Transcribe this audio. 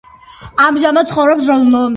ამჟამად ცხოვრობს ლონდონში.